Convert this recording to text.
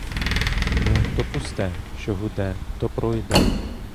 Ну, то пусте, що гуде, то пройде.